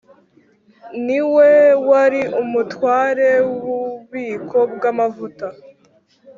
Ni we wari umutware w ububiko bw amavuta